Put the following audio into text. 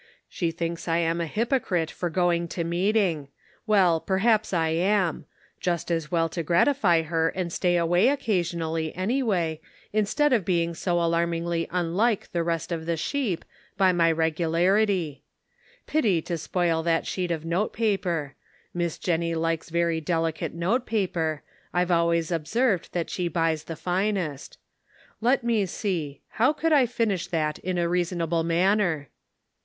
She thinks I am a hypocrite for going to meet ing. Well, perhaps I am ; just as well to gratify her and stay away occasionally, anyway, instead of being so alarmingly unlike the rest of the sheep, by my regu larity. Pity to spoil that sheet of note paper. Miss Jennie likes very delicate note paper; I've always observed that she Conflicting Duties. 205 buys the finest. Let me see, how could I finish that in a reasonable manner